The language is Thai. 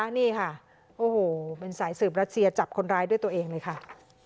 นี่ค่ะโอ้โหเป็นสายสืบรัสเซียจับคนร้ายด้วยตัวเองเลยค่ะ